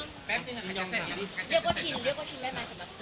เรียกว่าชินและยังรู้สึกเฉย